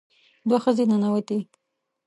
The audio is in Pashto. دوه ښځې ننوتې.